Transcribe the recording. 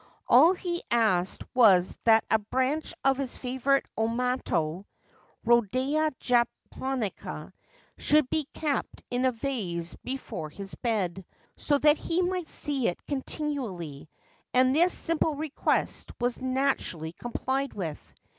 All he asked was that a branch of his favourite omoto (rhodea japonica) should be kept in a vase before his bed, so that he might see it continu ally ; and this simple request was naturally complied with.